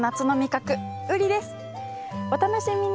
お楽しみに。